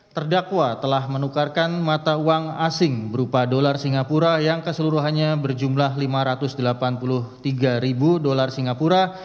terdakwa telah menukarkan mata uang asing berupa dolar singapura yang keseluruhannya berjumlah lima ratus delapan puluh tiga ribu dolar singapura